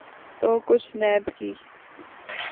تو کچھ نیب کی۔